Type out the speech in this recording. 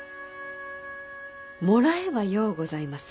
もらえばようございます。